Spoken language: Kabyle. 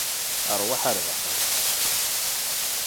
Ṛwaḥ ar daxel.